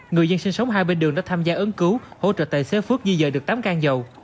người dân sinh sống hai bên đường đã tham gia ứng cứu hỗ trợ tài xế phước phước di dời được tám can dầu